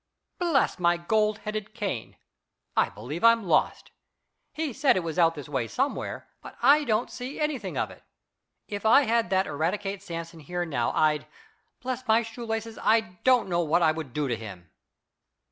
"Bless my gold headed cane! I believe I'm lost. He said it was out this way somewhere, but I don't see anything of it. If I had that Eradicate Sampson here now I'd bless my shoelaces I don't know what I would do to him."